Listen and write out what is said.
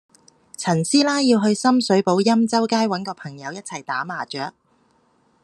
陳師奶要去深水埗欽州街搵個朋友一齊打麻雀